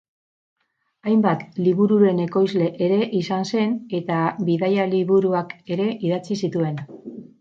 Hainbat libururen ekoizle ere izan zen eta bidaia liburuak ere idatzi zituen.